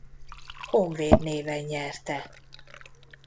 Honvéd néven nyerte.